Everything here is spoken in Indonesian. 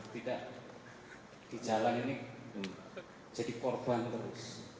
tidak di jalan ini jadi korban terus